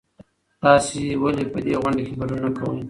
تاسې ولې په دې غونډه کې ګډون نه کوئ؟